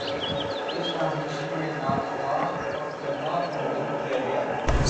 اس transmission میں نعت خواں اور علمأ کو مدعو کیا گیا